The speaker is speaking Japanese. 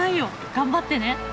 頑張ってね。